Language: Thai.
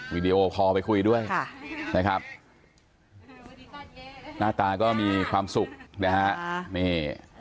วิดีโอคอลไปคุยด้วยค่ะนะครับหน้าตาก็มีความสุขนะฮะนี่